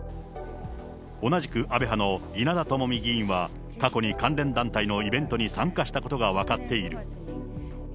同じく安倍派の稲田朋美議員は、過去に関連団体のイベントに参加したことが分かっている。